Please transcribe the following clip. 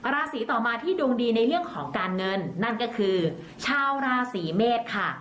ราศีต่อมาที่ดวงดีในเรื่องของการเงินนั่นก็คือชาวราศีเมษค่ะ